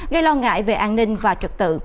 gây lo ngại về an ninh và trực tự